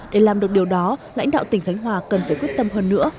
để làm được điều đó lãnh đạo tỉnh khánh hòa cần phải quyết tâm hơn nữa